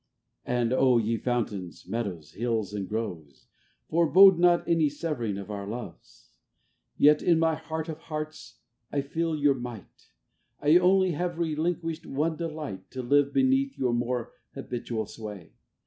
And 0, ye Fountains, Meadows, Hills, and Groves, Forebode not any severing of our loves ! Yet in my heart of hearts I feel your might ; I only have relinquished one delight To live beneath your more habitual sway.